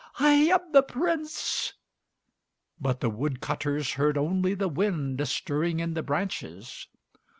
I am the Prince!" But the wood cutters heard only the wind stirring in the branches.